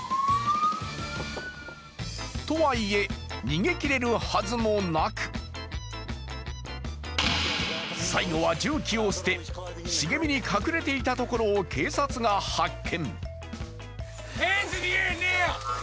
とはいえ、逃げ切れるはずもなく、最後は重機を捨て、茂みに隠れていたところを警察が発見。